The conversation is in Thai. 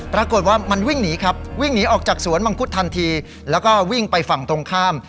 ปรากฏว่ามันวิ่งหนีครับวิ่งหนีออกจากสวนมังคุดทันทีแล้วก็วิ่งไปฝั่งตรงข้าม